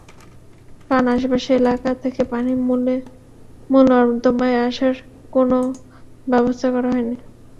কারণ, আশপাশের এলাকা থেকে পানি মূল নর্দমায় আসার কোনো ব্যবস্থা করা হয়নি।